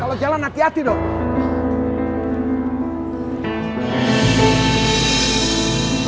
kalau jalan hati hati dong